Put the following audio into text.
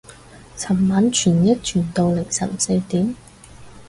尋晚傳譯傳到凌晨四點